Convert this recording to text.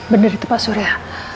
bener itu pak surya